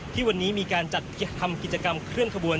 ที่วันนี้มีการจัดทำกิจกรรมเคลื่อนขบวน